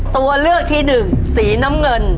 ตัวเลือกที่หนึ่งสีน้ำเงิน